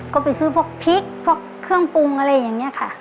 ก็ไปซื้อพวกพริกพวกเครื่องปรุงอะไรอย่างนี้ค่ะ